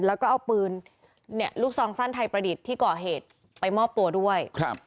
แล้วก็เอาปืนเนี่ยลูกซองสั้นไทยประดิษฐ์ที่ก่อเหตุไปมอบตัวด้วยครับ